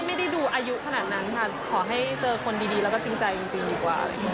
ไม่ได้ดูอายุขนาดนั้นค่ะขอให้เจอคนดีแล้วก็จริงใจจริงดีกว่า